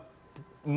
jadi pamerintah inggris